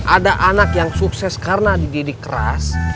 ada anak yang sukses karena dididik keras